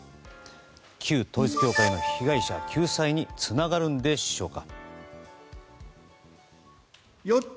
旧統一教会の被害者救済につながるんでしょうか。